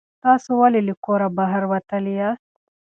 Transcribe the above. تاسو ولې له کوره بهر وتلي یاست؟